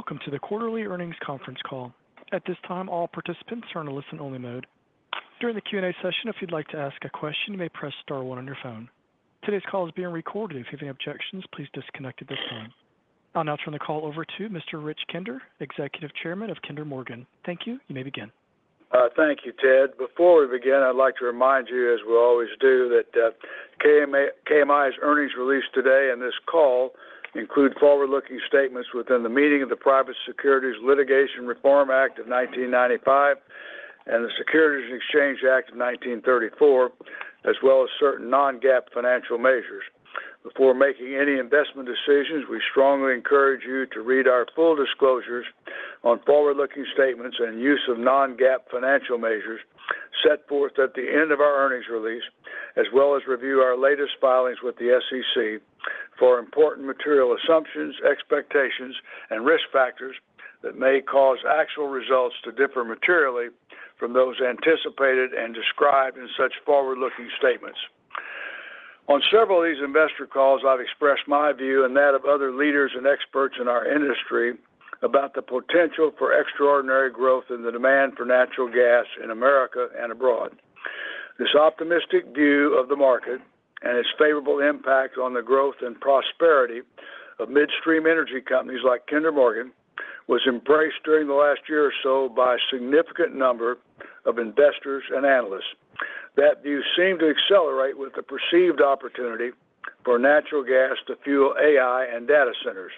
Welcome to the quarterly earnings conference call. At this time, all participants are in a listen-only mode. During the Q&A session, if you'd like to ask a question, you may press star one on your phone. Today's call is being recorded. If you have any objections, please disconnect at this time. I'll now turn the call over to Mr. Rich Kinder, Executive Chairman of Kinder Morgan. Thank you. You may begin. Thank you, Chad. Before we begin, I'd like to remind you, as we always do, that KMI's earnings released today in this call include forward-looking statements within the meaning of the Private Securities Litigation Reform Act of 1995 and the Securities and Exchange Act of 1934, as well as certain non-GAAP financial measures. Before making any investment decisions, we strongly encourage you to read our full disclosures on forward-looking statements and use of non-GAAP financial measures set forth at the end of our earnings release, as well as review our latest filings with the SEC for important material assumptions, expectations, and risk factors that may cause actual results to differ materially from those anticipated and described in such forward-looking statements. On several of these investor calls, I've expressed my view and that of other leaders and experts in our industry about the potential for extraordinary growth in the demand for natural gas in America and abroad. This optimistic view of the market and its favorable impact on the growth and prosperity of midstream energy companies like Kinder Morgan was embraced during the last year or so by a significant number of investors and analysts. That view seemed to accelerate with the perceived opportunity for natural gas to fuel AI and data centers.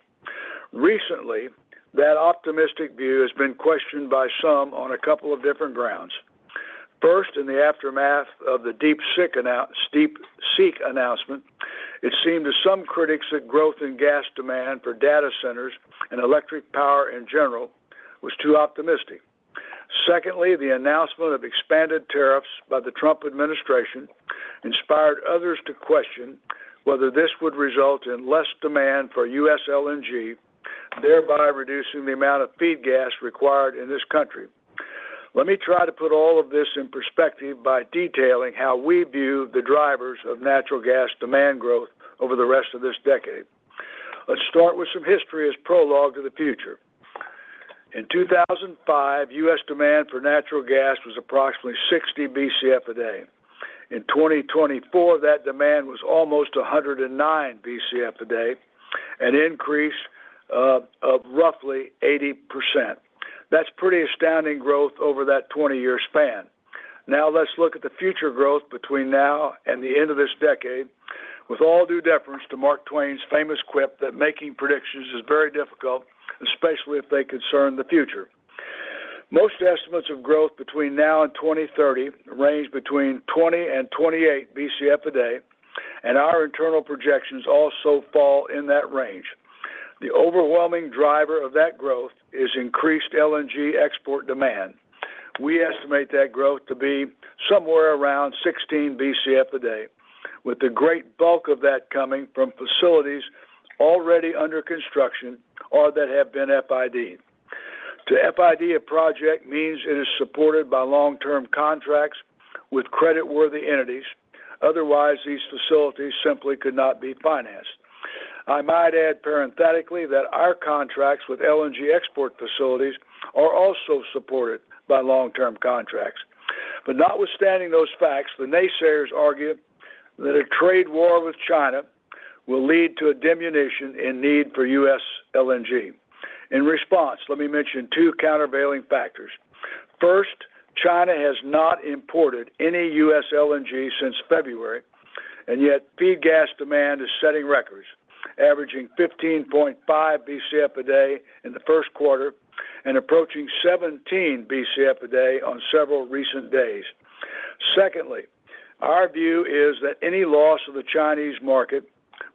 Recently, that optimistic view has been questioned by some on a couple of different grounds. First, in the aftermath of the DeepSeek announcement, it seemed to some critics that growth in gas demand for data centers and electric power in general was too optimistic. Secondly, the announcement of expanded tariffs by the Trump administration inspired others to question whether this would result in less demand for U.S. LNG, thereby reducing the amount of feed gas required in this country. Let me try to put all of this in perspective by detailing how we view the drivers of natural gas demand growth over the rest of this decade. Let's start with some history as prologue to the future. In 2005, U.S. demand for natural gas was approximately 60 BCF a day. In 2024, that demand was almost 109 BCF a day, an increase of roughly 80%. That's pretty astounding growth over that 20-year span. Now, let's look at the future growth between now and the end of this decade, with all due deference to Mark Twain's famous quip that making predictions is very difficult, especially if they concern the future. Most estimates of growth between now and 2030 range between 20 and 28 BCF a day, and our internal projections also fall in that range. The overwhelming driver of that growth is increased LNG export demand. We estimate that growth to be somewhere around 16 BCF a day, with the great bulk of that coming from facilities already under construction or that have been FID. To FID a project means it is supported by long-term contracts with creditworthy entities; otherwise, these facilities simply could not be financed. I might add parenthetically that our contracts with LNG export facilities are also supported by long-term contracts. Notwithstanding those facts, the naysayers argue that a trade war with China will lead to a diminution in need for U.S. LNG. In response, let me mention two countervailing factors. First, China has not imported any U.S. LNG since February, and yet feed gas demand is setting records, averaging 15.5 BCF a day in the first quarter and approaching 17 BCF a day on several recent days. Secondly, our view is that any loss of the Chinese market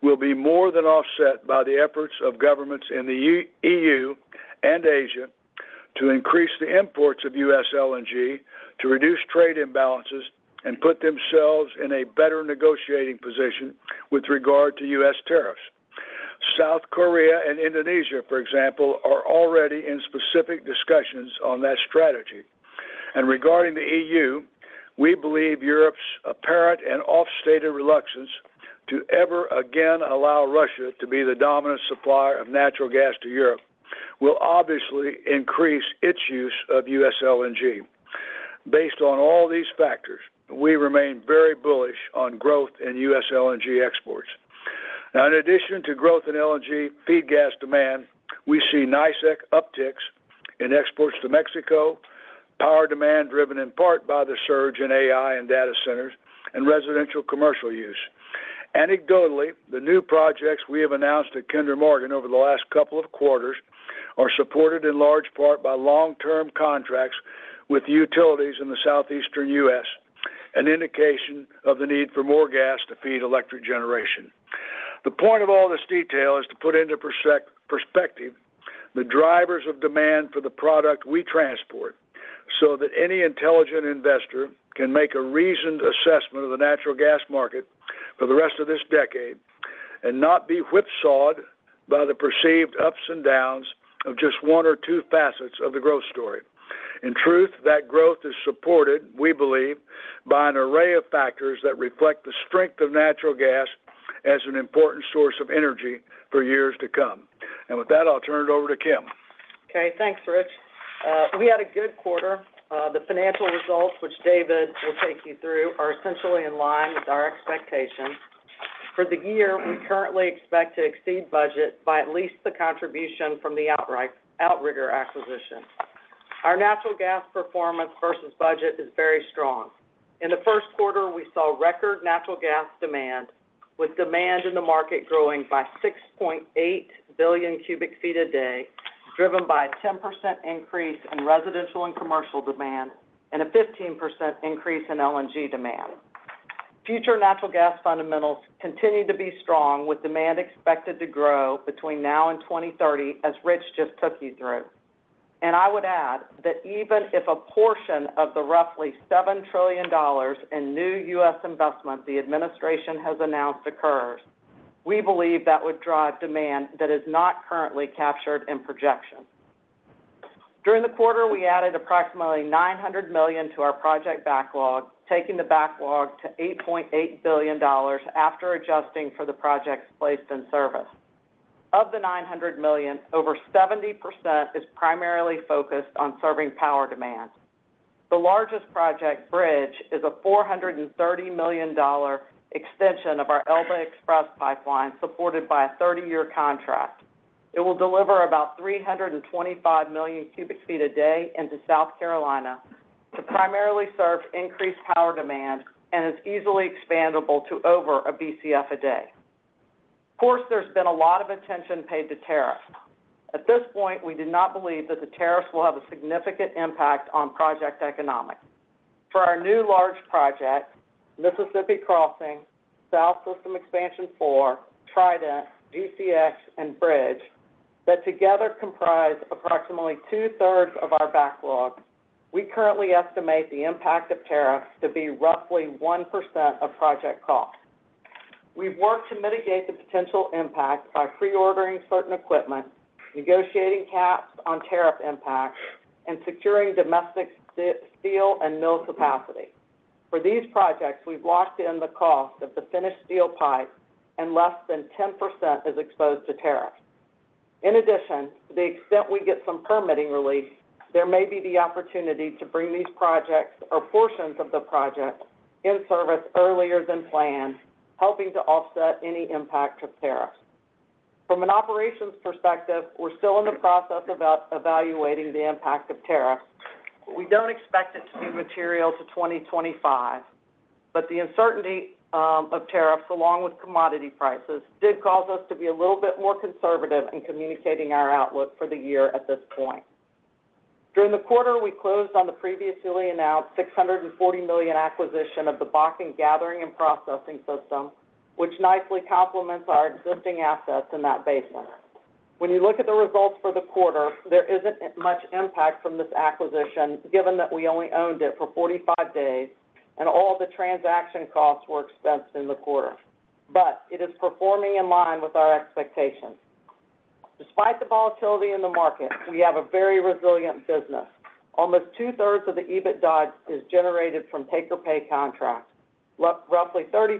will be more than offset by the efforts of governments in the EU and Asia to increase the imports of U.S. LNG, to reduce trade imbalances, and put themselves in a better negotiating position with regard to U.S. tariffs. South Korea and Indonesia, for example, are already in specific discussions on that strategy. Regarding the EU, we believe Europe's apparent and oft-stated reluctance to ever again allow Russia to be the dominant supplier of natural gas to Europe will obviously increase its use of U.S. LNG. Based on all these factors, we remain very bullish on growth in U.S. LNG exports. Now, in addition to growth in LNG feed gas demand, we see nice upticks in exports to Mexico, power demand driven in part by the surge in AI and data centers and residential commercial use. Anecdotally, the new projects we have announced at Kinder Morgan over the last couple of quarters are supported in large part by long-term contracts with utilities in the Southeastern U.S., an indication of the need for more gas to feed electric generation. The point of all this detail is to put into perspective the drivers of demand for the product we transport so that any intelligent investor can make a reasoned assessment of the natural gas market for the rest of this decade and not be whipsawed by the perceived ups and downs of just one or two facets of the growth story. In truth, that growth is supported, we believe, by an array of factors that reflect the strength of natural gas as an important source of energy for years to come. With that, I'll turn it over to Kim. Okay. Thanks, Rich. We had a good quarter. The financial results, which David will take you through, are essentially in line with our expectations. For the year, we currently expect to exceed budget by at least the contribution from the Outrigger acquisition. Our natural gas performance versus budget is very strong. In the first quarter, we saw record natural gas demand, with demand in the market growing by 6.8 billion cu ft a day, driven by a 10% increase in residential and commercial demand and a 15% increase in LNG demand. Future natural gas fundamentals continue to be strong, with demand expected to grow between now and 2030, as Rich just took you through. I would add that even if a portion of the roughly $7 trillion in new U.S. investment the administration has announced occurs, we believe that would drive demand that is not currently captured in projections. During the quarter, we added approximately $900 million to our project backlog, taking the backlog to $8.8 billion after adjusting for the projects placed in service. Of the $900 million, over 70% is primarily focused on serving power demand. The largest project, Bridge, is a $430 million extension of our Elba Express Pipeline supported by a 30-year contract. It will deliver about 325 million cu ft a day into South Carolina to primarily serve increased power demand and is easily expandable to over a BCF a day. Of course, there's been a lot of attention paid to tariffs. At this point, we do not believe that the tariffs will have a significant impact on project economics. For our new large project, Mississippi Crossing, South System Expansion 4, Trident, GCX, and Bridge, that together comprise approximately two-thirds of our backlog, we currently estimate the impact of tariffs to be roughly 1% of project cost. We've worked to mitigate the potential impact by pre-ordering certain equipment, negotiating caps on tariff impact, and securing domestic steel and mill capacity. For these projects, we've locked in the cost of the finished steel pipe, and less than 10% is exposed to tariffs. In addition, to the extent we get some permitting release, there may be the opportunity to bring these projects or portions of the project in service earlier than planned, helping to offset any impact of tariffs. From an operations perspective, we're still in the process of evaluating the impact of tariffs. We do not expect it to be material to 2025, but the uncertainty of tariffs, along with commodity prices, did cause us to be a little bit more conservative in communicating our outlook for the year at this point. During the quarter, we closed on the previously announced $640 million acquisition of the Bakken Gathering and Processing System, which nicely complements our existing assets in that basin. When you look at the results for the quarter, there is not much impact from this acquisition, given that we only owned it for 45 days and all the transaction costs were expensed in the quarter. It is performing in line with our expectations. Despite the volatility in the market, we have a very resilient business. Almost two-thirds of the EBITDA is generated from take-or-pay contracts. Roughly 30%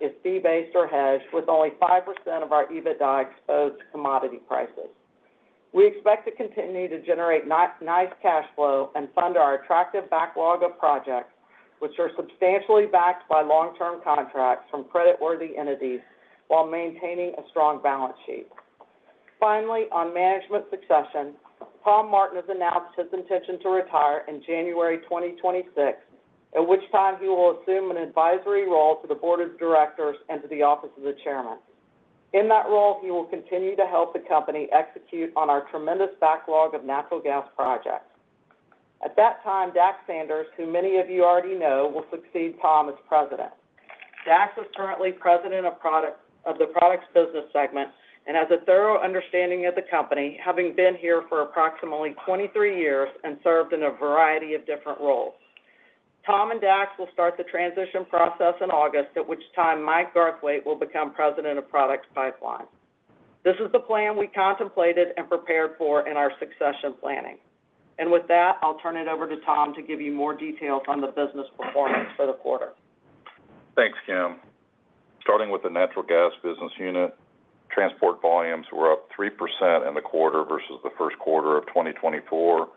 is fee-based or hedged, with only 5% of our EBITDA exposed to commodity prices. We expect to continue to generate nice cash flow and fund our attractive backlog of projects, which are substantially backed by long-term contracts from creditworthy entities while maintaining a strong balance sheet. Finally, on management succession, Tom Martin has announced his intention to retire in January 2026, at which time he will assume an advisory role to the board of directors and to the Office of the Chairman. In that role, he will continue to help the company execute on our tremendous backlog of natural gas projects. At that time, Dax Sanders, who many of you already know, will succeed Tom as president. Dax is currently president of the products business segment and has a thorough understanding of the company, having been here for approximately 23 years and served in a variety of different roles. Tom and Dax will start the transition process in August, at which time Mike Garthwaite will become President of Products Pipeline. This is the plan we contemplated and prepared for in our succession planning. With that, I'll turn it over to Tom to give you more details on the business performance for the quarter. Thanks, Kim. Starting with the natural gas business unit, transport volumes were up 3% in the quarter versus the first quarter of 2024,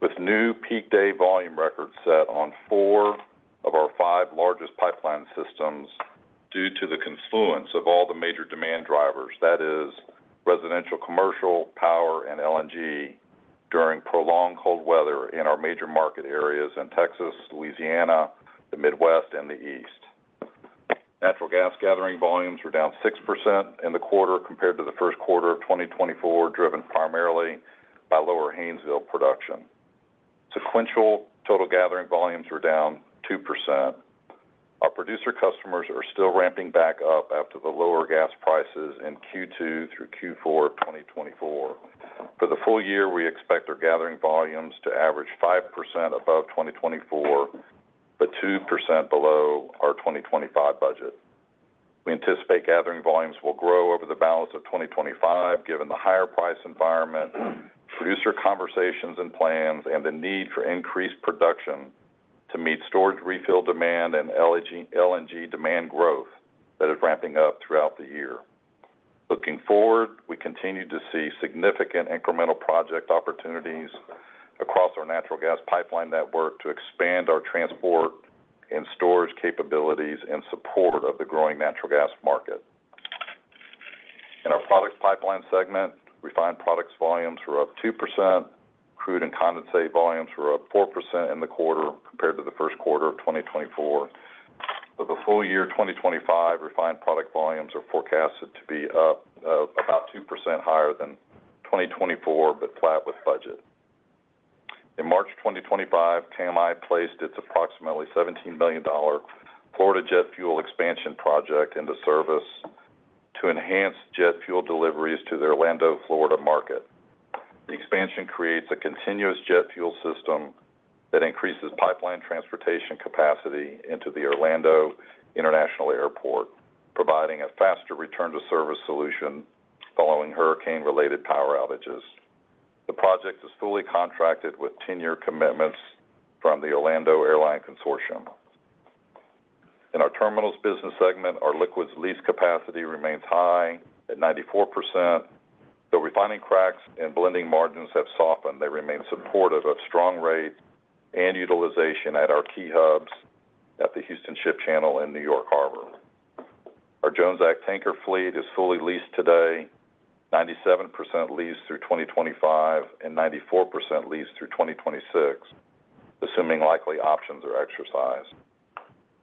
with new peak day volume records set on four of our five largest pipeline systems due to the confluence of all the major demand drivers, that is, residential, commercial, power, and LNG during prolonged cold weather in our major market areas in Texas, Louisiana, the Midwest, and the East. Natural gas gathering volumes were down 6% in the quarter compared to the first quarter of 2024, driven primarily by lower Haynesville production. Sequential total gathering volumes were down 2%. Our producer customers are still ramping back up after the lower gas prices in Q2 through Q4 of 2024. For the full year, we expect our gathering volumes to average 5% above 2024, but 2% below our 2025 budget. We anticipate gathering volumes will grow over the balance of 2025, given the higher price environment, producer conversations and plans, and the need for increased production to meet storage refill demand and LNG demand growth that is ramping up throughout the year. Looking forward, we continue to see significant incremental project opportunities across our natural gas pipeline network to expand our transport and storage capabilities in support of the growing natural gas market. In our products pipeline segment, refined products volumes were up 2%. Crude and condensate volumes were up 4% in the quarter compared to the first quarter of 2024. For the full year 2025, refined product volumes are forecasted to be up about 2% higher than 2024, but flat with budget. In March 2025, KMI placed its approximately $17 million Florida Jet Fuel expansion project into service to enhance jet fuel deliveries to the Orlando, Florida market. The expansion creates a continuous jet fuel system that increases pipeline transportation capacity into the Orlando International Airport, providing a faster return-to-service solution following hurricane-related power outages. The project is fully contracted with ten-year commitments from the Orlando Airline Consortium. In our terminals business segment, our liquids lease capacity remains high at 94%. The refining cracks and blending margins have softened. They remain supportive of strong rates and utilization at our key hubs at the Houston Ship Channel and New York Harbor. Our Jones Act tanker fleet is fully leased today, 97% leased through 2025, and 94% leased through 2026, assuming likely options are exercised.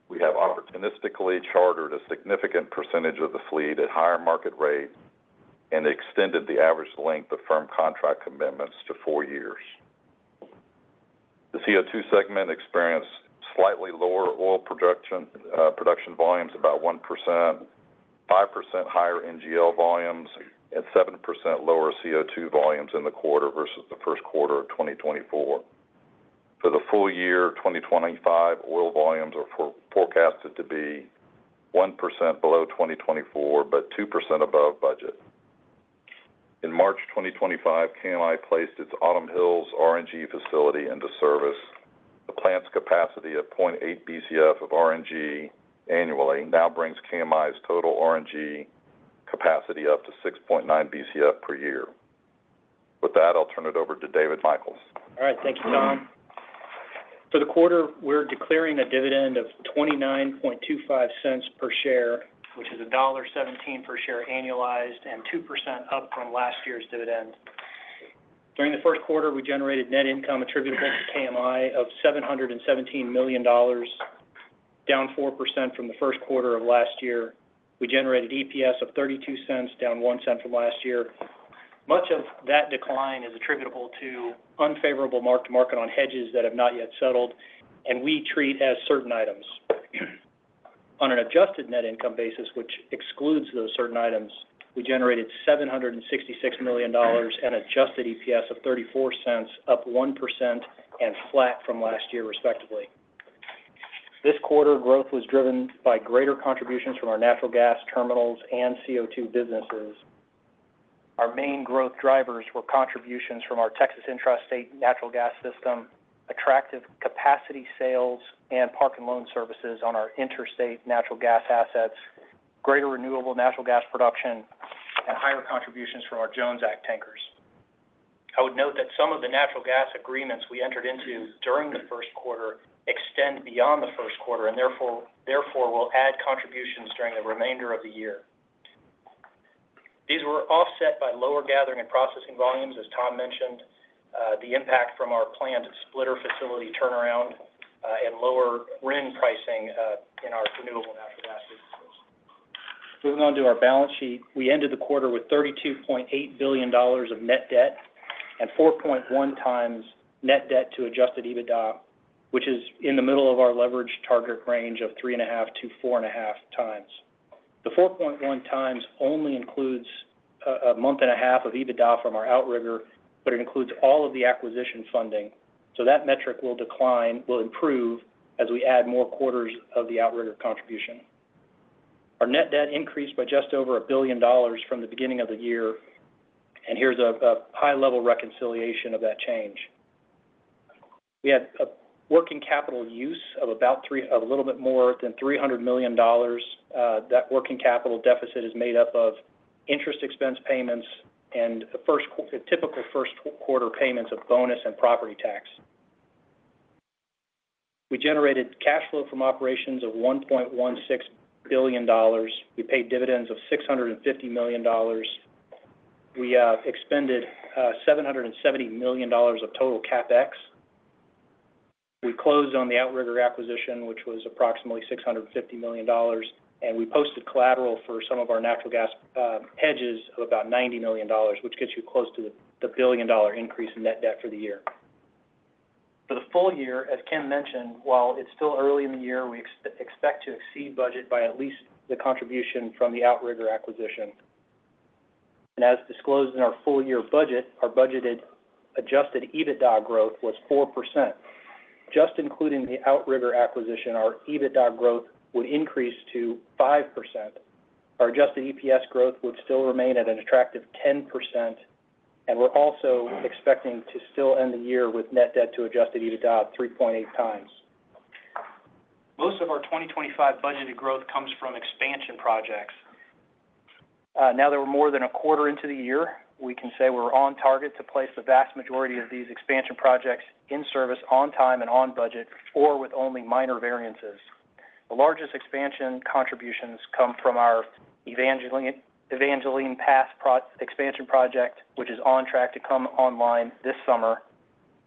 We have opportunistically chartered a significant percentage of the fleet at higher market rates and extended the average length of firm contract commitments to four years. The CO2 segment experienced slightly lower oil production volumes, about 1%, 5% higher NGL volumes, and 7% lower CO2 volumes in the quarter versus the first quarter of 2024. For the full year 2025, oil volumes are forecasted to be 1% below 2024, but 2% above budget. In March 2025, KMI placed its Autumn Hills RNG facility into service. The plant's capacity of 0.8 BCF of RNG annually now brings KMI's total RNG capacity up to 6.9 BCF per year. With that, I'll turn it over to David Michels. All right. Thank you, Tom. For the quarter, we're declaring a dividend of $29.25 per share, which is $1.17 per share annualized and 2% up from last year's dividend. During the first quarter, we generated net income attributable to KMI of $717 million, down 4% from the first quarter of last year. We generated EPS of $0.32, down $0.01 from last year. Much of that decline is attributable to unfavorable mark-to-market on hedges that have not yet settled, and we treat as certain items. On an adjusted net income basis, which excludes those certain items, we generated $766 million and adjusted EPS of $0.34, up 1% and flat from last year, respectively. This quarter, growth was driven by greater contributions from our natural gas terminals and CO2 businesses. Our main growth drivers were contributions from our Texas Intrastate Natural Gas System, attractive capacity sales, and park and loan services on our interstate natural gas assets, greater renewable natural gas production, and higher contributions from our Jones Act tankers. I would note that some of the natural gas agreements we entered into during the first quarter extend beyond the first quarter and therefore will add contributions during the remainder of the year. These were offset by lower gathering and processing volumes, as Tom mentioned, the impact from our planned splitter facility turnaround, and lower RIN pricing in our renewable natural gas businesses. Moving on to our balance sheet, we ended the quarter with $32.8 billion of net debt and 4.1x net debt to adjusted EBITDA, which is in the middle of our leverage target range of three and a half to four and a half times. The 4.1x only includes a month and a half of EBITDA from our Outrigger, but it includes all of the acquisition funding. That metric will decline, will improve as we add more quarters of the Outrigger contribution. Our net debt increased by just over $1 billion from the beginning of the year, and here's a high-level reconciliation of that change. We had a working capital use of about a little bit more than $300 million. That working capital deficit is made up of interest expense payments and typical first quarter payments of bonus and property tax. We generated cash flow from operations of $1.16 billion. We paid dividends of $650 million. We expended $770 million of total CapEx. We closed on the Outrigger acquisition, which was approximately $650 million, and we posted collateral for some of our natural gas hedges of about $90 million, which gets you close to the $1 billion dollar increase in net debt for the year. For the full year, as Kim mentioned, while it's still early in the year, we expect to exceed budget by at least the contribution from the Outrigger acquisition. As disclosed in our full year budget, our budgeted adjusted EBITDA growth was 4%. Just including the Outrigger acquisition, our EBITDA growth would increase to 5%. Our adjusted EPS growth would still remain at an attractive 10%, and we're also expecting to still end the year with net debt to adjusted EBITDA of 3.8x. Most of our 2025 budgeted growth comes from expansion projects. Now that we're more than a quarter into the year, we can say we're on target to place the vast majority of these expansion projects in service on time and on budget or with only minor variances. The largest expansion contributions come from our Evangeline Pass Expansion Project, which is on track to come online this summer,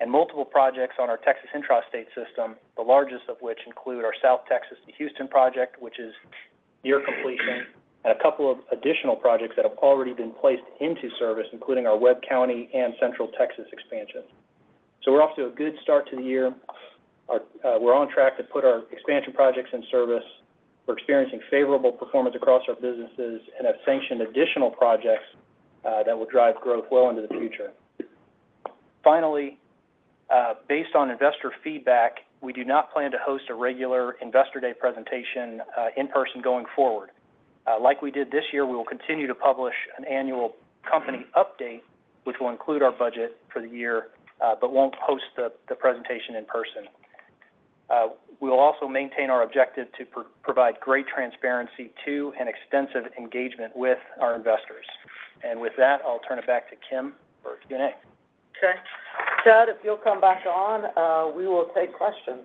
and multiple projects on our Texas Intrastate system, the largest of which include our South Texas to Houston project, which is near completion, and a couple of additional projects that have already been placed into service, including our Webb County and Central Texas expansion. We are off to a good start to the year. We are on track to put our expansion projects in service. We are experiencing favorable performance across our businesses and have sanctioned additional projects that will drive growth well into the future. Finally, based on investor feedback, we do not plan to host a regular Investor Day Presentation in person going forward. Like we did this year, we will continue to publish an annual company update, which will include our budget for the year, but will not host the presentation in person. We will also maintain our objective to provide great transparency to and extensive engagement with our investors. With that, I'll turn it back to Kim for Q&A. Okay. Chad, if you'll come back on, we will take questions.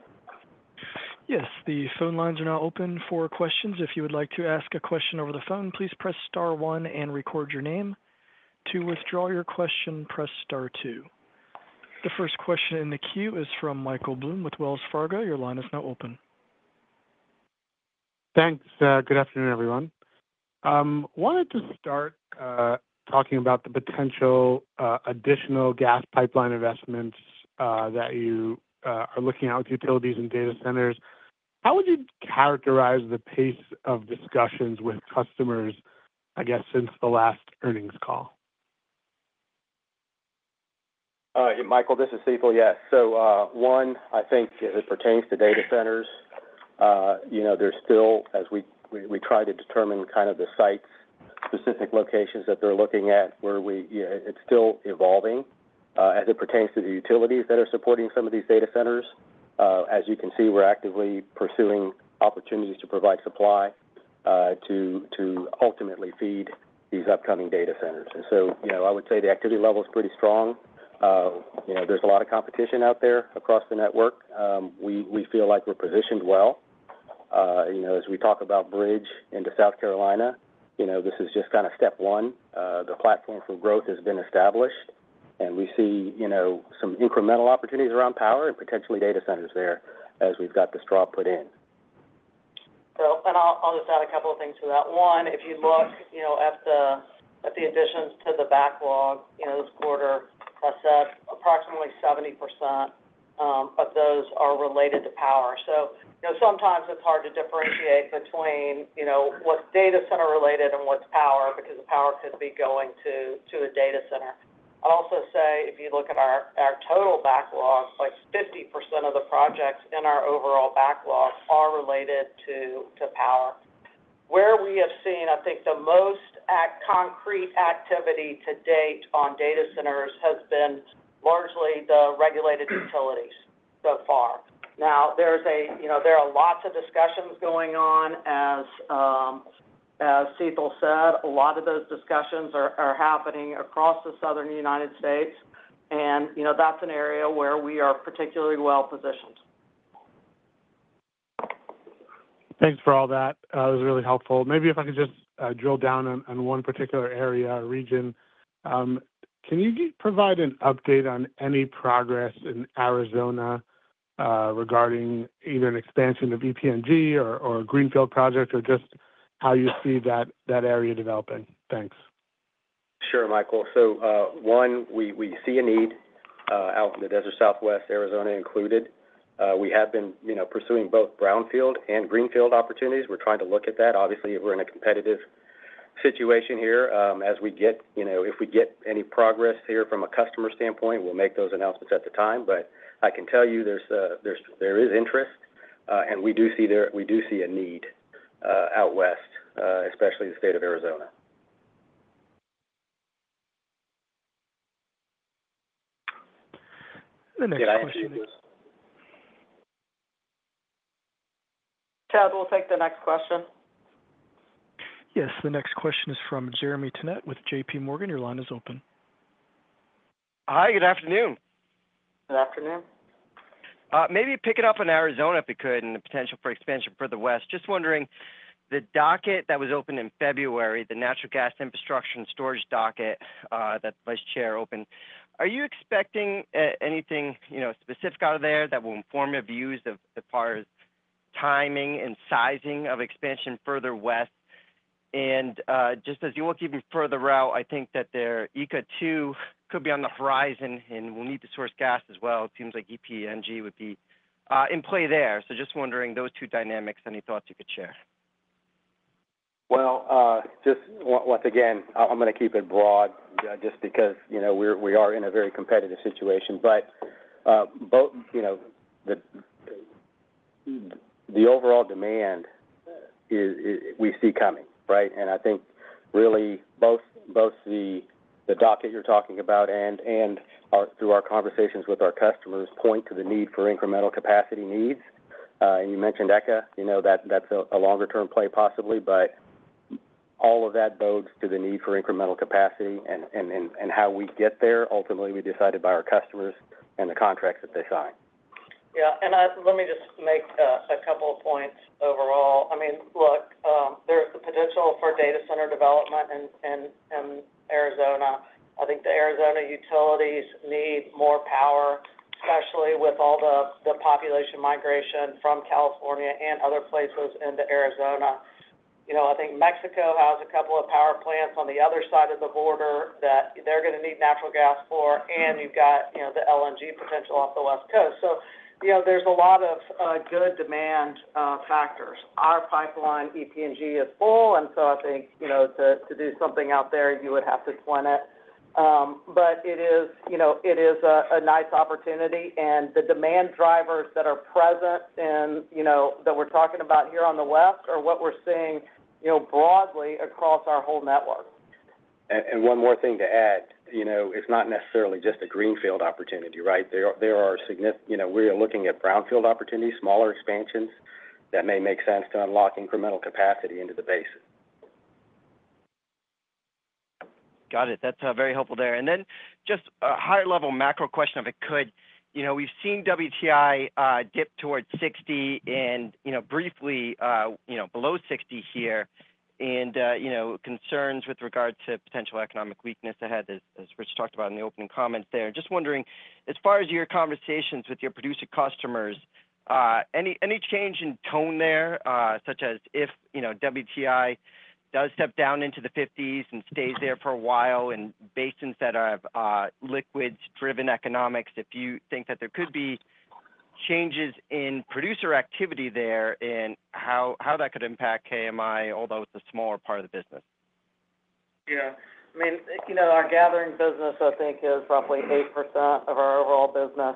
Yes. The phone lines are now open for questions. If you would like to ask a question over the phone, please press star one and record your name. To withdraw your question, press star two. The first question in the queue is from Michael Blum with Wells Fargo. Your line is now open. Thanks. Good afternoon, everyone. I wanted to start talking about the potential additional gas pipeline investments that you are looking at with utilities and data centers. How would you characterize the pace of discussions with customers, I guess, since the last earnings call? Michael, this is Sital. Yes. One, I think as it pertains to data centers, there's still, as we try to determine kind of the sites, specific locations that they're looking at, where it's still evolving. As it pertains to the utilities that are supporting some of these data centers, as you can see, we're actively pursuing opportunities to provide supply to ultimately feed these upcoming data centers. I would say the activity level is pretty strong. There's a lot of competition out there across the network. We feel like we're positioned well. As we talk about Bridge into South Carolina, this is just kind of step one. The platform for growth has been established, and we see some incremental opportunities around power and potentially data centers there as we've got the straw put in. I'll just add a couple of things to that. One, if you look at the additions to the backlog, this quarter has set approximately 70%, but those are related to power. Sometimes it's hard to differentiate between what's data center related and what's power because the power could be going to a data center. I'll also say, if you look at our total backlog, like 50% of the projects in our overall backlog are related to power. Where we have seen, I think, the most concrete activity to date on data centers has been largely the regulated utilities so far. There are lots of discussions going on, as Sital said. A lot of those discussions are happening across the Southern United States, and that's an area where we are particularly well positioned. Thanks for all that. That was really helpful. Maybe if I could just drill down on one particular area or region. Can you provide an update on any progress in Arizona regarding either an expansion of EPNG or a Greenfield project or just how you see that area developing? Thanks. Sure, Michael. One, we see a need out in the Desert Southwest, Arizona included. We have been pursuing both brownfield and greenfield opportunities. We're trying to look at that. Obviously, we're in a competitive situation here. As we get any progress here from a customer standpoint, we'll make those announcements at the time. I can tell you there is interest, and we do see a need out west, especially the state of Arizona. Chad, we'll take the next question. Yes. The next question is from Jeremy Tonet with J.P. Morgan. Your line is open. Hi. Good afternoon. Good afternoon. Maybe pick it up in Arizona if we could and the potential for expansion for the west. Just wondering, the docket that was opened in February, the natural gas infrastructure and storage docket that the Vice Chair opened, are you expecting anything specific out of there that will inform your views as far as timing and sizing of expansion further west? Just as you look even further out, I think that their ECO2 could be on the horizon, and we'll need to source gas as well. It seems like EPNG would be in play there. Just wondering, those two dynamics, any thoughts you could share? I am going to keep it broad just because we are in a very competitive situation. The overall demand we see coming, right? I think really both the docket you are talking about and through our conversations with our customers point to the need for incremental capacity needs. You mentioned ECA. That is a longer-term play possibly, but all of that bodes to the need for incremental capacity and how we get there. Ultimately, we decide it by our customers and the contracts that they sign. Yeah. Let me just make a couple of points overall. I mean, look, there's the potential for data center development in Arizona. I think the Arizona utilities need more power, especially with all the population migration from California and other places into Arizona. I think Mexico has a couple of power plants on the other side of the border that they're going to need natural gas for, and you've got the LNG potential off the west coast. There are a lot of good demand factors. Our pipeline EPNG is full, and I think to do something out there, you would have to plenty. It is a nice opportunity, and the demand drivers that are present that we're talking about here on the west are what we're seeing broadly across our whole network. One more thing to add, it is not necessarily just a greenfield opportunity, right? There are significant—we are looking at brownfield opportunities, smaller expansions that may make sense to unlock incremental capacity into the basin. Got it. That's very helpful there. Just a higher-level macro question if I could. We've seen WTI dip toward 60 and briefly below 60 here, and concerns with regard to potential economic weakness ahead, as Rich talked about in the opening comments there. Just wondering, as far as your conversations with your producer customers, any change in tone there, such as if WTI does step down into the 50s and stays there for a while in basins that have liquid-driven economics? If you think that there could be changes in producer activity there and how that could impact KMI, although it's a smaller part of the business. Yeah. I mean, our gathering business, I think, is roughly 8% of our overall business.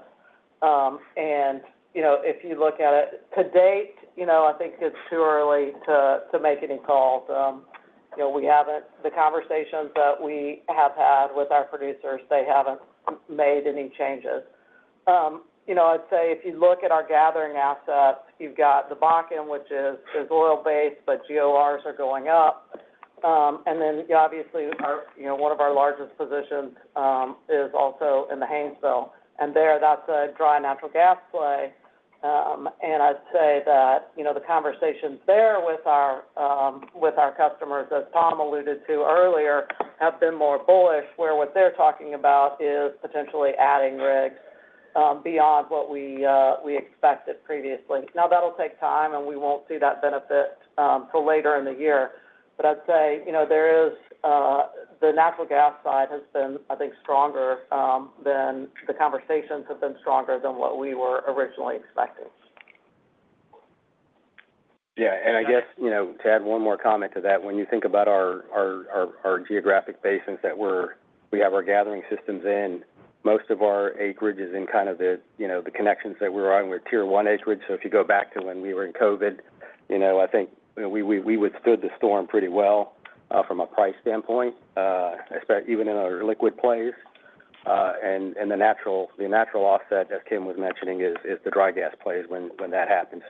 If you look at it to date, I think it's too early to make any calls. The conversations that we have had with our producers, they haven't made any changes. I'd say if you look at our gathering assets, you've got the Bakken, which is oil-based, but GORs are going up. Obviously, one of our largest positions is also in the Haynesville. There, that's a dry natural gas play. I'd say that the conversations there with our customers, as Tom alluded to earlier, have been more bullish, where what they're talking about is potentially adding rigs beyond what we expected previously. That'll take time, and we won't see that benefit for later in the year. I'd say the natural gas side has been, I think, stronger than the conversations have been stronger than what we were originally expecting. Yeah. I guess to add one more comment to that, when you think about our geographic basins that we have our gathering systems in, most of our acreage is in kind of the connections that we're on with tier one acreage. If you go back to when we were in COVID, I think we withstood the storm pretty well from a price standpoint, even in our liquid plays. The natural offset, as Kim was mentioning, is the dry gas plays when that happens.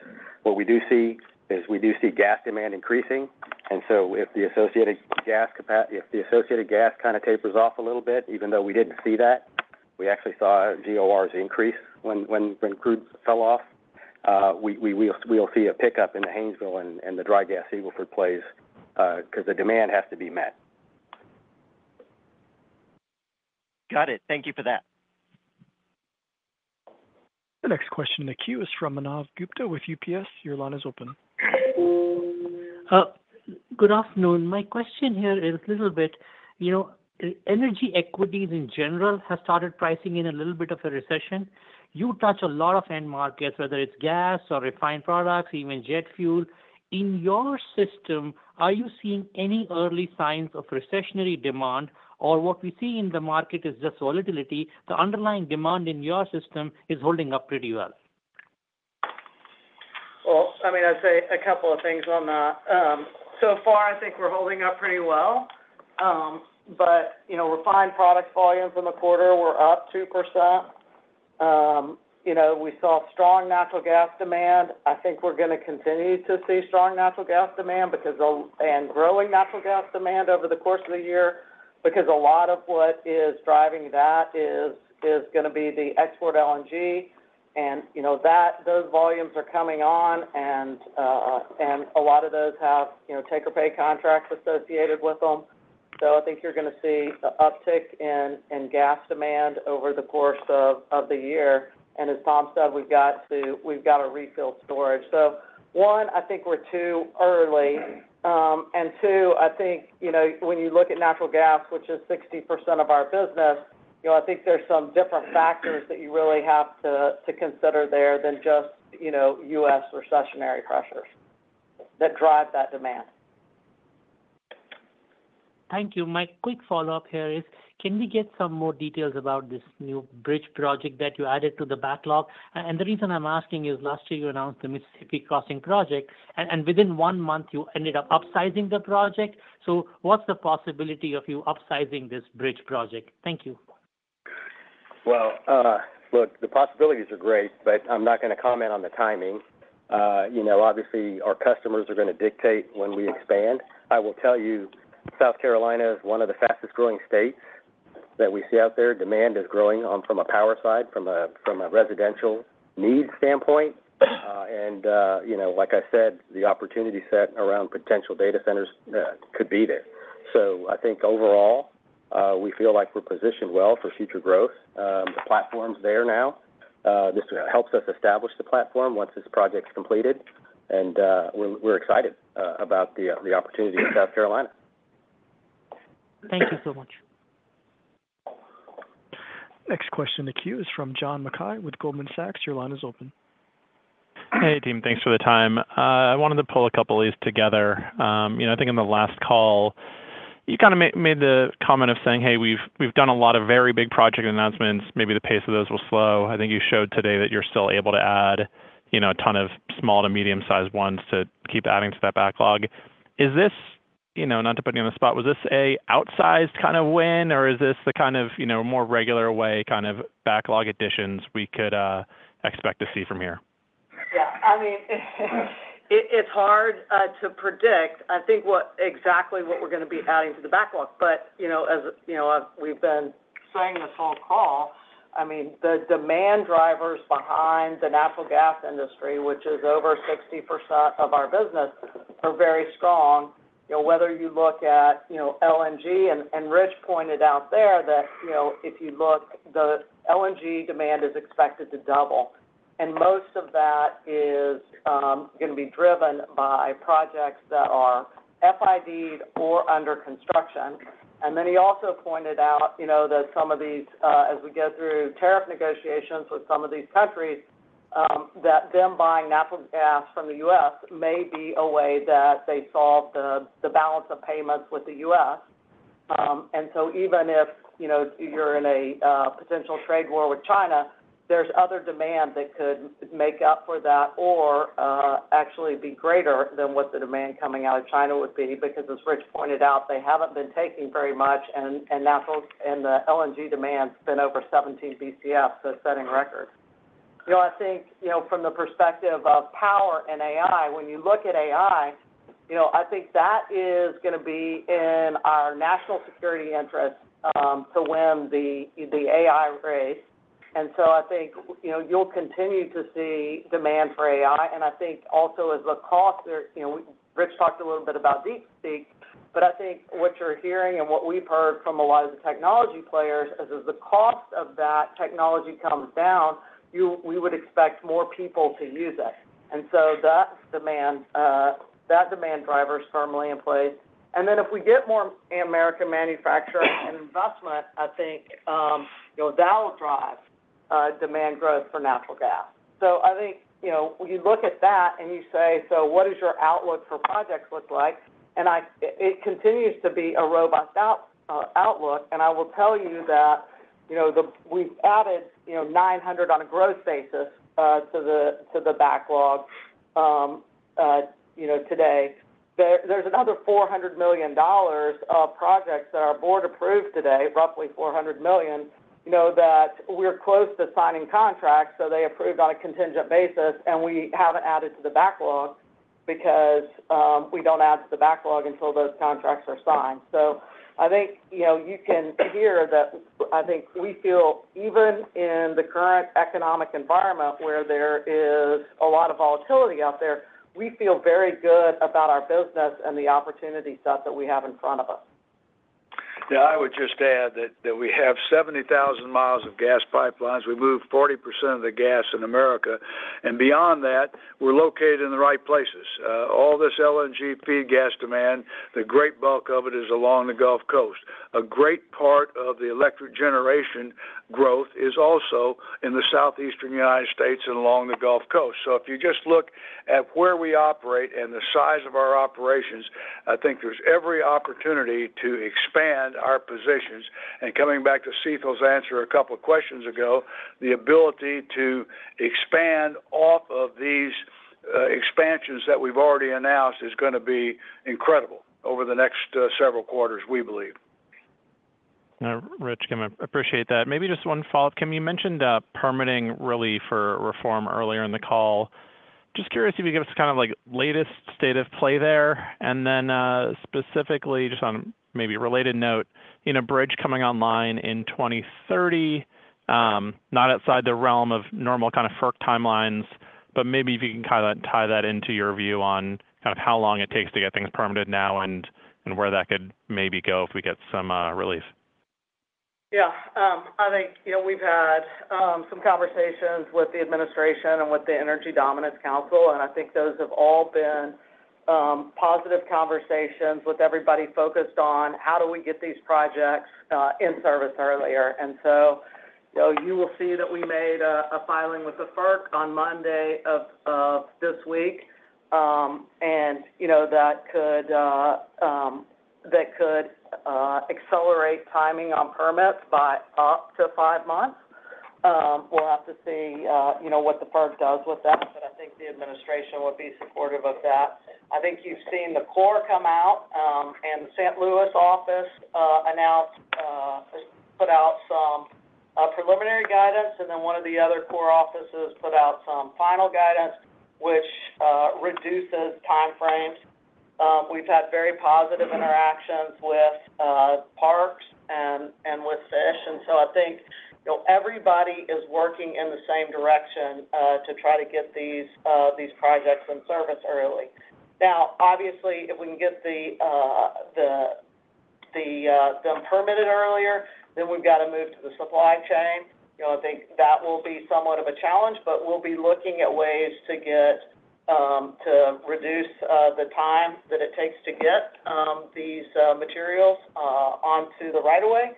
What we do see is we do see gas demand increasing. If the associated gas kind of tapers off a little bit, even though we didn't see that, we actually saw GORs increase when crude fell off. We'll see a pickup in the Haynesville and the dry gas Eagle Ford plays because the demand has to be met. Got it. Thank you for that. The next question in the queue is from Manav Gupta with UBS. Your line is open. Good afternoon. My question here is a little bit, energy equities in general have started pricing in a little bit of a recession. You touch a lot of end markets, whether it's gas or refined products, even jet fuel. In your system, are you seeing any early signs of recessionary demand? Or what we see in the market is just volatility. The underlying demand in your system is holding up pretty well. I mean, I'd say a couple of things on that. So far, I think we're holding up pretty well. Refined product volumes in the quarter were up 2%. We saw strong natural gas demand. I think we're going to continue to see strong natural gas demand and growing natural gas demand over the course of the year because a lot of what is driving that is going to be the export LNG. Those volumes are coming on, and a lot of those have take-or-pay contracts associated with them. I think you're going to see an uptick in gas demand over the course of the year. As Tom said, we've got to refill storage. One, I think we're too early. And two, I think when you look at natural gas, which is 60% of our business, I think there's some different factors that you really have to consider there than just U.S. recessionary pressures that drive that demand. Thank you. My quick follow-up here is, can we get some more details about this new Bridge project that you added to the backlog? The reason I'm asking is last year you announced the Mississippi Crossing project, and within one month, you ended up upsizing the project. What's the possibility of you upsizing this Bridge project? Thank you. Look, the possibilities are great, but I'm not going to comment on the timing. Obviously, our customers are going to dictate when we expand. I will tell you, South Carolina is one of the fastest-growing states that we see out there. Demand is growing from a power side, from a residential need standpoint. Like I said, the opportunity set around potential data centers could be there. I think overall, we feel like we're positioned well for future growth. The platform's there now. This helps us establish the platform once this project's completed. We're excited about the opportunity in South Carolina. Thank you so much. Next question in the queue is from John Mackay with Goldman Sachs. Your line is open. Hey, team. Thanks for the time. I wanted to pull a couple of these together. I think in the last call, you kind of made the comment of saying, "Hey, we've done a lot of very big project announcements. Maybe the pace of those will slow." I think you showed today that you're still able to add a ton of small to medium-sized ones to keep adding to that backlog. Is this, not to put you on the spot, was this an outsized kind of win, or is this the kind of more regular way kind of backlog additions we could expect to see from here? Yeah. I mean, it's hard to predict, I think, exactly what we're going to be adding to the backlog. But as we've been saying this whole call, I mean, the demand drivers behind the natural gas industry, which is over 60% of our business, are very strong. Whether you look at LNG, and Rich pointed out there that if you look, the LNG demand is expected to double. Most of that is going to be driven by projects that are FID or under construction. He also pointed out that some of these, as we get through tariff negotiations with some of these countries, that them buying natural gas from the U.S. may be a way that they solve the balance of payments with the U.S. Even if you're in a potential trade war with China, there's other demand that could make up for that or actually be greater than what the demand coming out of China would be because, as Rich pointed out, they haven't been taking very much, and the LNG demand's been over 17 BCF, setting a record. I think from the perspective of power and AI, when you look at AI, I think that is going to be in our national security interest to win the AI race. I think you'll continue to see demand for AI. I think also as the cost, Rich talked a little bit about DeepSeek, but I think what you're hearing and what we've heard from a lot of the technology players is as the cost of that technology comes down, we would expect more people to use it. That demand driver is firmly in place. If we get more American manufacturing and investment, I think that'll drive demand growth for natural gas. I think you look at that and you say, "What does your outlook for projects look like?" It continues to be a robust outlook. I will tell you that we've added $900 million on a growth basis to the backlog today. There's another $400 million of projects that our board approved today, roughly $400 million, that we're close to signing contracts. They approved on a contingent basis, and we haven't added to the backlog because we don't add to the backlog until those contracts are signed. I think you can hear that I think we feel, even in the current economic environment where there is a lot of volatility out there, we feel very good about our business and the opportunity stuff that we have in front of us. Yeah. I would just add that we have 70,000 mi of gas pipelines. We move 40% of the gas in America. Beyond that, we're located in the right places. All this LNG feed gas demand, the great bulk of it is along the Gulf Coast. A great part of the electric generation growth is also in the Southeastern United States and along the Gulf Coast. If you just look at where we operate and the size of our operations, I think there's every opportunity to expand our positions. Coming back to Sital's answer a couple of questions ago, the ability to expand off of these expansions that we've already announced is going to be incredible over the next several quarters, we believe. Rich, Kim, I appreciate that. Maybe just one follow-up. Kim, you mentioned permitting relief or reform earlier in the call. Just curious if you could give us kind of latest state of play there. Then specifically, just on maybe a related note, Bridge coming online in 2030, not outside the realm of normal kind of FERC timelines, but maybe if you can tie that into your view on kind of how long it takes to get things permitted now and where that could maybe go if we get some relief. Yeah. I think we've had some conversations with the administration and with the Energy Dominance Council. I think those have all been positive conversations with everybody focused on how do we get these projects in service earlier. You will see that we made a filing with the FERC on Monday of this week. That could accelerate timing on permits by up to five months. We'll have to see what the FERC does with that. I think the administration would be supportive of that. I think you've seen the Corps come out. The St. Louis office announced, put out some preliminary guidance. One of the other Corps offices put out some final guidance, which reduces timeframes. We've had very positive interactions with Parks and with Fish. I think everybody is working in the same direction to try to get these projects in service early. Obviously, if we can get them permitted earlier, then we have to move to the supply chain. I think that will be somewhat of a challenge, but we will be looking at ways to reduce the time that it takes to get these materials onto the right of way.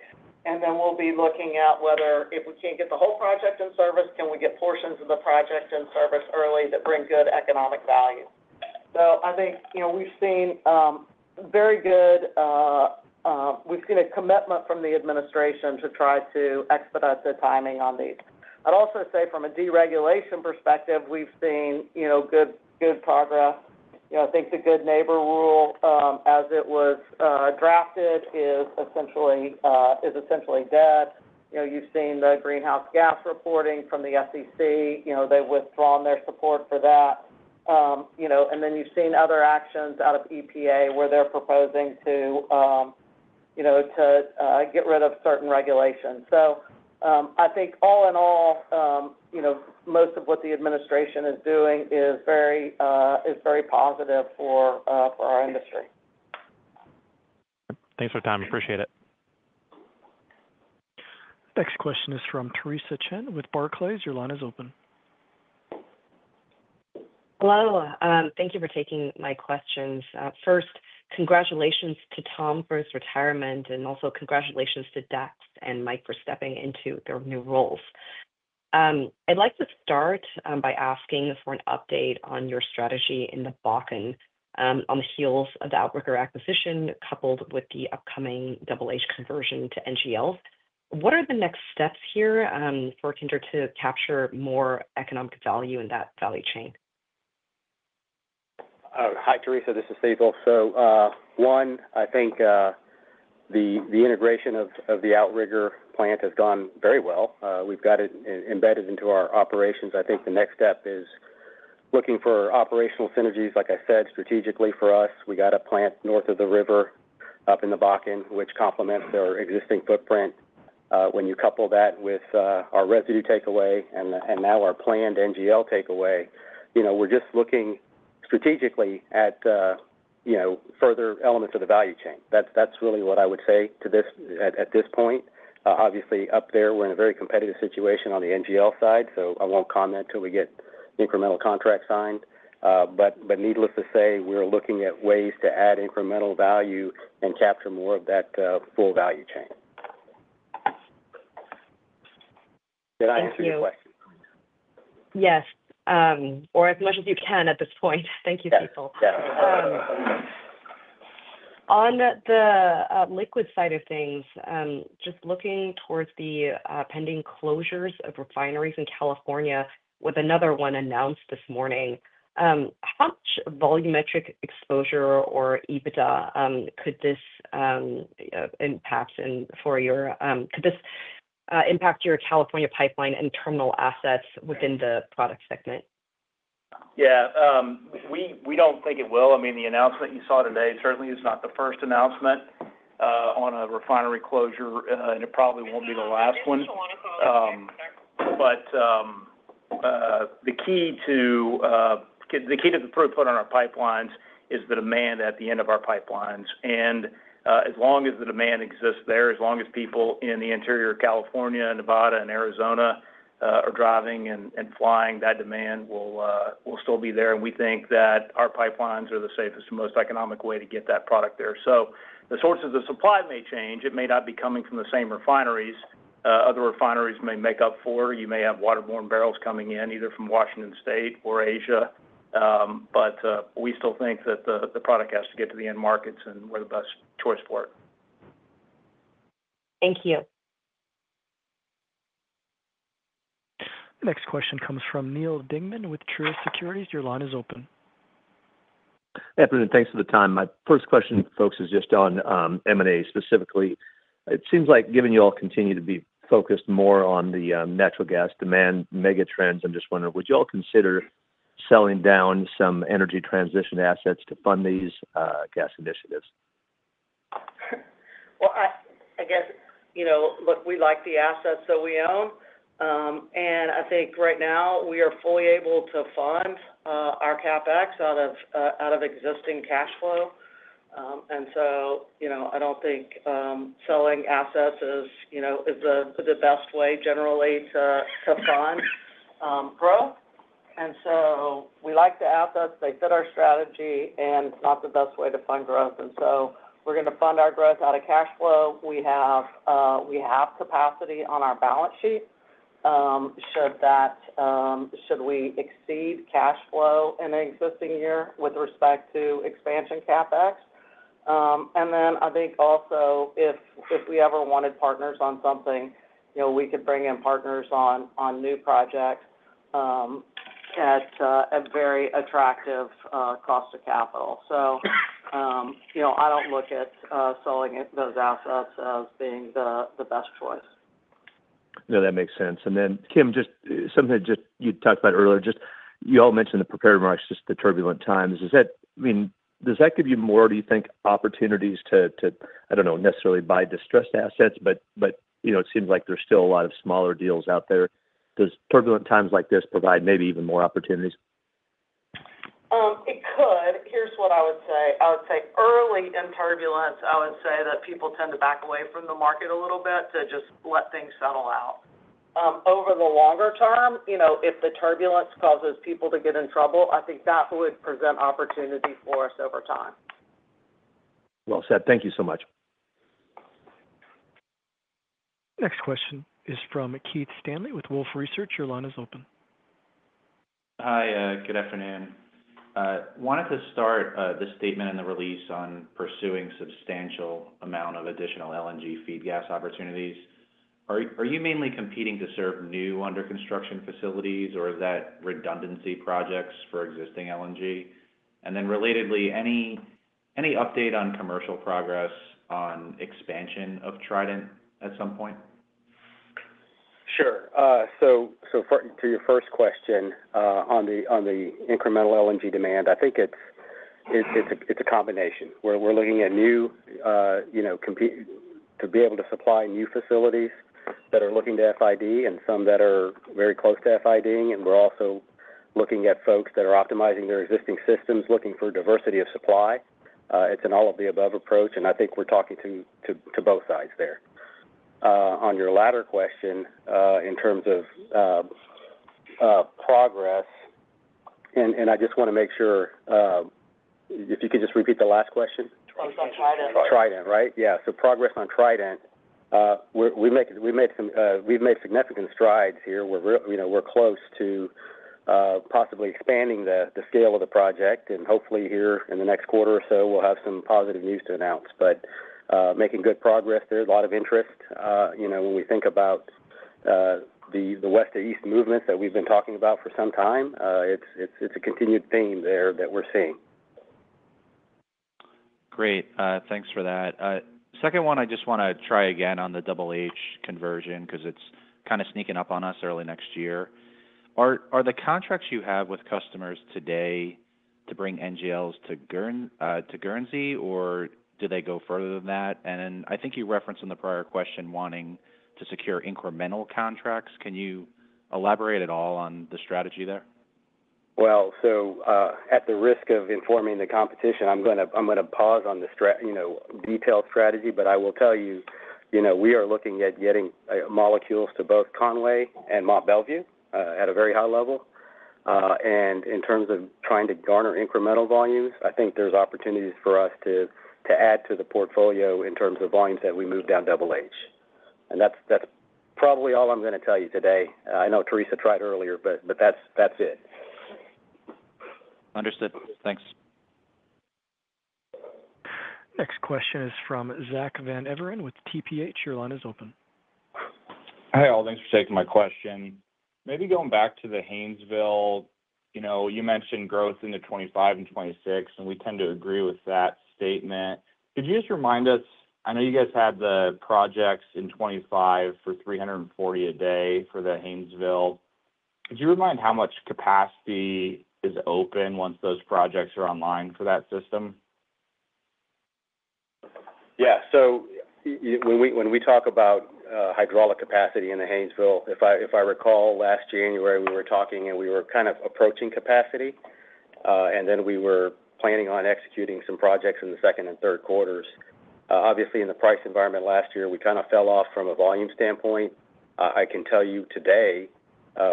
We will be looking at whether, if we cannot get the whole project in service, we can get portions of the project in service early that bring good economic value. I think we have seen very good, we have seen a commitment from the administration to try to expedite the timing on these. I would also say from a deregulation perspective, we have seen good progress. I think the Good Neighbor Rule, as it was drafted, is essentially dead. You've seen the greenhouse gas reporting from the SEC. They've withdrawn their support for that. You have seen other actions out of EPA where they're proposing to get rid of certain regulations. I think all in all, most of what the administration is doing is very positive for our industry. Thanks for your time. Appreciate it. Next question is from Theresa Chen with Barclays. Your line is open. Hello. Thank you for taking my questions. First, congratulations to Tom for his retirement, and also congratulations to Dax and Mike for stepping into their new roles. I'd like to start by asking for an update on your strategy in the Bakken on the heels of the Outrigger acquisition coupled with the upcoming conversion to NGLs. What are the next steps here for Kinder to capture more economic value in that value chain? Hi, Theresa. This is Sital. One, I think the integration of the Outrigger plant has gone very well. We've got it embedded into our operations. I think the next step is looking for operational synergies, like I said, strategically for us. We got a plant north of the river up in the Bakken, which complements our existing footprint. When you couple that with our residue takeaway and now our planned NGL takeaway, we're just looking strategically at further elements of the value chain. That's really what I would say at this point. Obviously, up there, we're in a very competitive situation on the NGL side. I won't comment until we get incremental contracts signed. Needless to say, we're looking at ways to add incremental value and capture more of that full value chain. Did I answer your question? Yes. Or as much as you can at this point. Thank you, Sital. Yeah. Yeah. On the liquid side of things, just looking towards the pending closures of refineries in California with another one announced this morning, how much volumetric exposure or EBITDA could this impact for your California pipeline and terminal assets within the product segment? Yeah. We do not think it will. I mean, the announcement you saw today certainly is not the first announcement on a refinery closure, and it probably will not be the last one. The key to the throughput on our pipelines is the demand at the end of our pipelines. As long as the demand exists there, as long as people in the interior of California, Nevada, and Arizona are driving and flying, that demand will still be there. We think that our pipelines are the safest and most economic way to get that product there. The sources of supply may change. It may not be coming from the same refineries. Other refineries may make up for it. You may have waterborne barrels coming in either from Washington State or Asia. We still think that the product has to get to the end markets, and we're the best choice for it. Thank you. Next question comes from Neal Dingman with Truist Securities. Your line is open. Hey, everyone. Thanks for the time. My first question, folks, is just on M&A specifically. It seems like given you all continue to be focused more on the natural gas demand mega trends, I'm just wondering, would you all consider selling down some energy transition assets to fund these gas initiatives? I guess, look, we like the assets that we own. I think right now, we are fully able to fund our CapEx out of existing cash flow. I do not think selling assets is the best way generally to fund growth. We like the assets. They fit our strategy, and it is not the best way to fund growth. We are going to fund our growth out of cash flow. We have capacity on our balance sheet should we exceed cash flow in an existing year with respect to expansion CapEx. I think also, if we ever wanted partners on something, we could bring in partners on new projects at a very attractive cost of capital. I do not look at selling those assets as being the best choice. No, that makes sense. Kim, just something that you talked about earlier, just you all mentioned the prepared markets, just the turbulent times. I mean, does that give you more, do you think, opportunities to, I do not know, necessarily buy distressed assets? It seems like there are still a lot of smaller deals out there. Does turbulent times like this provide maybe even more opportunities? It could. Here's what I would say. I would say early in turbulence, I would say that people tend to back away from the market a little bit to just let things settle out. Over the longer term, if the turbulence causes people to get in trouble, I think that would present opportunity for us over time. Thank you so much. Next question is from Keith Stanley with Wolfe Research. Your line is open. Hi. Good afternoon. Wanted to start this statement and the release on pursuing substantial amount of additional LNG feed gas opportunities. Are you mainly competing to serve new under-construction facilities, or is that redundancy projects for existing LNG? Relatedly, any update on commercial progress on expansion of Trident at some point? Sure. To your first question on the incremental LNG demand, I think it's a combination. We're looking at new to be able to supply new facilities that are looking to FID and some that are very close to FID. We're also looking at folks that are optimizing their existing systems, looking for diversity of supply. It's an all-of-the-above approach. I think we're talking to both sides there. On your latter question in terms of progress, I just want to make sure if you could just repeat the last question. Progress on Trident. Trident, right? Yeah. Progress on Trident. We've made significant strides here. We're close to possibly expanding the scale of the project. Hopefully, here in the next quarter or so, we'll have some positive news to announce. Making good progress there. A lot of interest. When we think about the west to east movements that we've been talking about for some time, it's a continued theme there that we're seeing. Great. Thanks for that. Second one, I just want to try again on the Double H conversion because it's kind of sneaking up on us early next year. Are the contracts you have with customers today to bring NGLs to Guernsey, or do they go further than that? I think you referenced in the prior question wanting to secure incremental contracts. Can you elaborate at all on the strategy there? At the risk of informing the competition, I'm going to pause on the detailed strategy. I will tell you, we are looking at getting molecules to both Conway and Mont Belvieu at a very high level. In terms of trying to garner incremental volumes, I think there's opportunities for us to add to the portfolio in terms of volumes that we move down Double H. That's probably all I'm going to tell you today. I know Theresa tried earlier, but that's it. Understood. Thanks. Next question is from Zack Van Everen with Tudor Pickering Holt. Your line is open. Hi, all. Thanks for taking my question. Maybe going back to the Haynesville, you mentioned growth in 2025 and 2026, and we tend to agree with that statement. Could you just remind us? I know you guys had the projects in 2025 for 340 a day for the Haynesville. Could you remind how much capacity is open once those projects are online for that system? Yeah. When we talk about hydraulic capacity in the Haynesville, if I recall, last January, we were talking, and we were kind of approaching capacity. We were planning on executing some projects in the second and third quarters. Obviously, in the price environment last year, we kind of fell off from a volume standpoint. I can tell you today,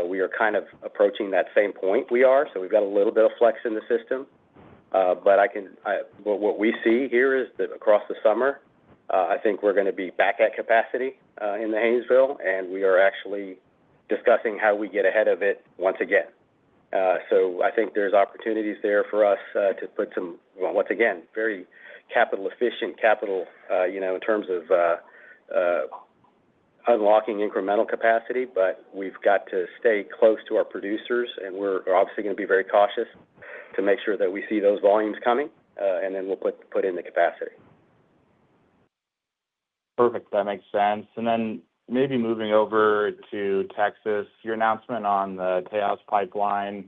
we are kind of approaching that same point we are. We have got a little bit of flex in the system. What we see here is that across the summer, I think we're going to be back at capacity in the Haynesville, and we are actually discussing how we get ahead of it once again. I think there's opportunities there for us to put some, once again, very capital-efficient capital in terms of unlocking incremental capacity. We've got to stay close to our producers, and we're obviously going to be very cautious to make sure that we see those volumes coming, and then we'll put in the capacity. Perfect. That makes sense. Maybe moving over to Texas, your announcement on the Tejas Pipeline,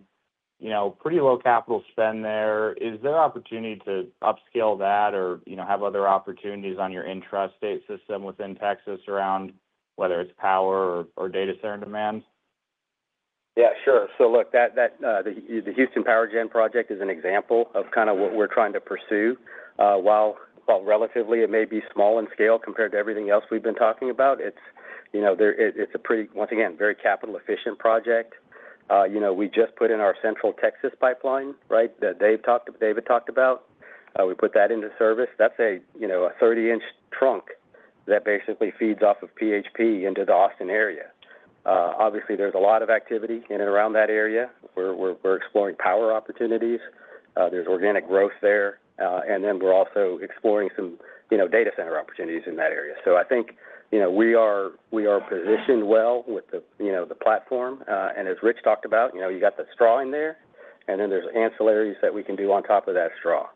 pretty low capital spend there. Is there opportunity to upscale that or have other opportunities on your intrastate system within Texas around whether it's power or data center demand? Yeah. Sure. Look, the Houston PowerGen project is an example of kind of what we're trying to pursue. While relatively it may be small in scale compared to everything else we've been talking about, it's a pretty, once again, very capital-efficient project. We just put in our Central Texas Pipeline, right, that they had talked about. We put that into service. That's a 30-inch trunk that basically feeds off of PHP into the Austin area. Obviously, there's a lot of activity in and around that area. We're exploring power opportunities. There's organic growth there. We are also exploring some data center opportunities in that area. I think we are positioned well with the platform. As Rich talked about, you got the straw in there, and then there's ancillaries that we can do on top of that straw.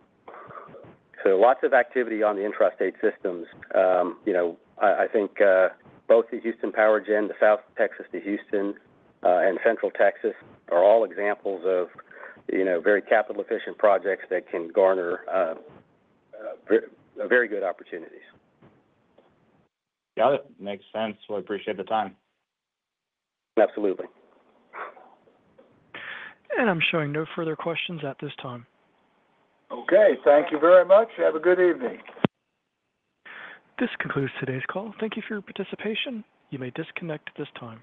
Lots of activity on the intrastate systems. I think both the Houston PowerGen, the South Texas to Houston, and Central Texas are all examples of very capital-efficient projects that can garner very good opportunities. Got it. Makes sense. I appreciate the time. Absolutely. I'm showing no further questions at this time. Okay. Thank you very much. Have a good evening. This concludes today's call. Thank you for your participation. You may disconnect at this time.